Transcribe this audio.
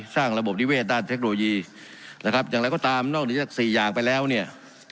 ระบบนิเวศด้านเทคโนโลยีนะครับอย่างไรก็ตามนอกเหนือจากสี่อย่างไปแล้วเนี่ย